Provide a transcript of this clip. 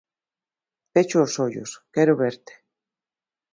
Pecho os ollos, quero verte.